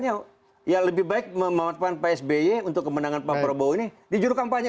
psb itu digunakan yang lebih baik memanfaatkan psb untuk kemenangan pak prabowo ini di juru kampanye